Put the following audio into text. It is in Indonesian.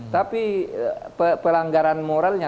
tapi pelanggaran moralnya